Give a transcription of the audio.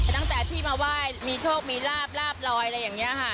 ตั้งแต่ที่มาไหว้มีโชคมีลาบลาบลอยอะไรอย่างนี้ค่ะ